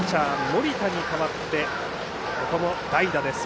森田に代わってここも代打です。